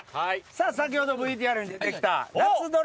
先ほどＶＴＲに出てきた、夏採れ